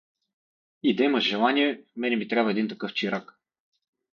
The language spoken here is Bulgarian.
— И да имаш желание… Мене ми трябва един такъв чирак.